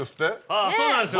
あぁそうなんですよ。